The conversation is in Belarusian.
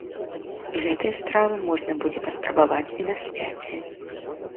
Гэтыя стравы можна будзе паспрабаваць і на свяце.